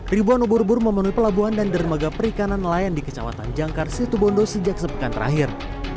ribuan ubur ubur memenuhi pelabuhan dan dermaga perikanan nelayan di kecamatan jangkar situbondo sejak sepekan terakhir